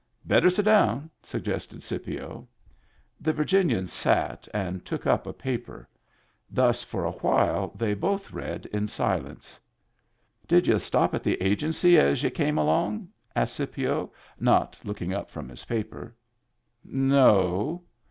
" Better sit down/* suggested Scipio. The Virginian sat, and took up a paper. Thus for a little while they both read in silence. "Did y'u stop at the Agency as y'u came along?" asked Scipio, not looking up from his paper. "No."